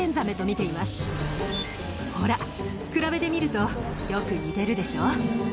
ほら比べてみるとよく似てるでしょ？